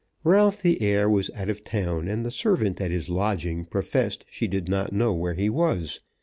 Ralph the heir was out of town, and the servant at his lodging professed she did not know where he was.